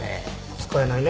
使えないね。